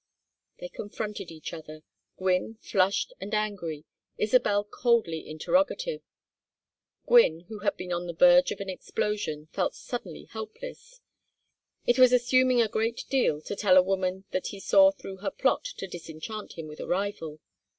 They confronted each other, Gwynne flushed and angry, Isabel coldly interrogative. Gwynne, who had been on the verge of an explosion, felt suddenly helpless. It was assuming a great deal to tell a woman that he saw through her plot to disenchant him with a rival.